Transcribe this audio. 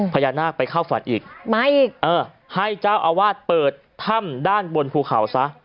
พญานาคไปเข้าฝันอีกมาอีกเออให้เจ้าอาวาสเปิดถ้ำด้านบนภูเขาซะ